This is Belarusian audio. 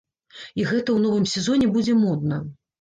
І гэта ў новым сезоне будзе модна.